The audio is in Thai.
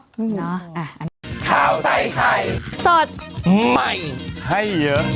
โปรดติดตามตอนต่อไป